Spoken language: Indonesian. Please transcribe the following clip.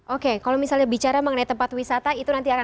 oke kalau misalnya bicara mengenai tempat wisata